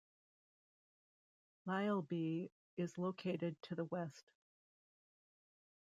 Lisleby is located to the west.